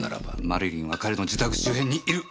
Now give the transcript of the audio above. マリリンは彼の自宅周辺にいる！